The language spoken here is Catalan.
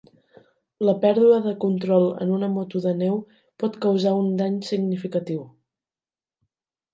La pèrdua de control en una moto de neu pot causar un dany significatiu.